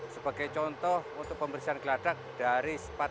sebagai contoh untuk pembersihan geladak dari sepatu